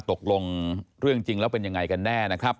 ตกลงเรื่องจริงแล้วเป็นยังไงกันแน่นะครับ